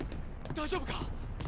大丈夫か⁉